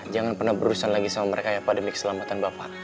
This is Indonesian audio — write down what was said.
jangan pernah berurusan lagi sama mereka ya pak demi keselamatan bapak